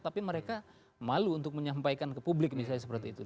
tapi mereka malu untuk menyampaikan ke publik misalnya seperti itu